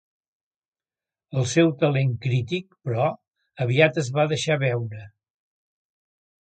El seu talent crític, però, aviat es va deixar veure.